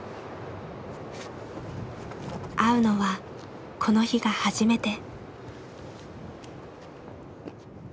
会うのはこの日が初めて。